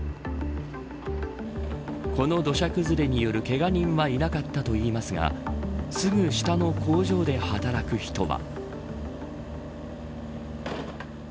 この土砂崩れによるけが人はいなかったといいますがすぐ下の工場で働く人は。